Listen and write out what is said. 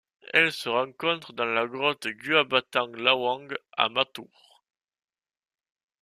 Elle se rencontre dans la grotte Gua Batang Lawang à Matur.